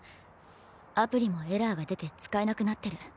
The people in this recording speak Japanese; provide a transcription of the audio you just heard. アプリもエラーが出て使えなくなってる。